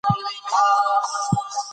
زه د خپلو کارونو مسئولیت منم.